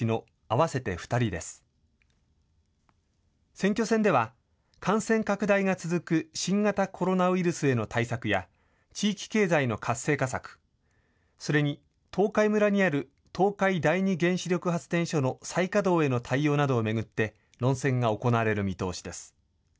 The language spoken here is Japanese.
選挙戦では、感染拡大が続く新型コロナウイルスへの対策や、地域経済の活性化策、それに東海村にある東海第二原子力発電所の再稼働への対応などを巡って、論戦が行われる見通しです。